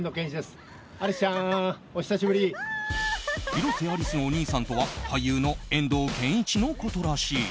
広瀬アリスのお兄さんとは俳優の遠藤憲一のことらしい。